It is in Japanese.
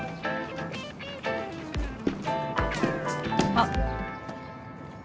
あっ。